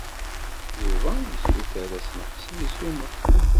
Yuba yessuter assenqes deg ssuma.